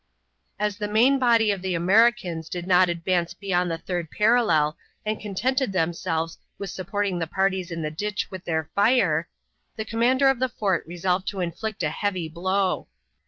As the main body of Americans did not advance beyond the third parallel and contented themselves with supporting the parties in the ditch with their fire, the commander of the fort resolved to inflict a heavy blow.